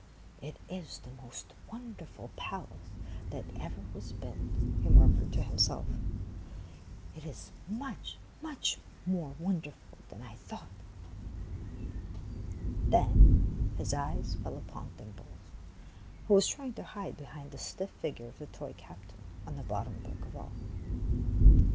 " It is the most wonderful palace that ever was built," he murmured to himself ;'' it is much, much more wonderful than I thought." Then his eyes fell upon Dimples, who was trying to hide behind the stiff figure of the toy captain, on the bottom brick of all.